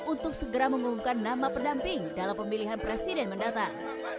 untuk segera mengumumkan nama pendamping dalam pemilihan presiden mendatang